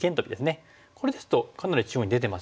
これですとかなり中央に出てますよね。